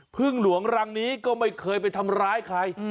พึ่งหลวงรังนี้ก็ไม่เคยไปทำร้ายใคร